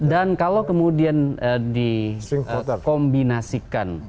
dan kalau kemudian dikombinasikan